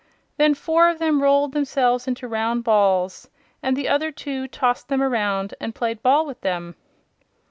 Then four of them rolled themselves into round balls and the other two tossed them around and played ball with them.